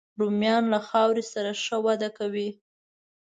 رومیان له خاورې سره ښه وده کوي